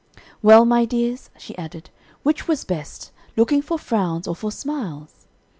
"Well, my dears," she added, "which was best, looking for frowns or for smiles?"